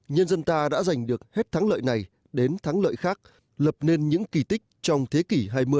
nhân dân ta đã giành được hết thắng lợi này đến thắng lợi khác lập nên những kỳ tích trong thế kỷ hai mươi